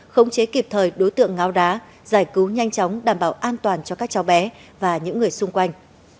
khống chế kịp thời đối tượng ngáo đá giải cứu nhanh chóng đảm bảo an toàn cho các cháu bé và những người xung quanh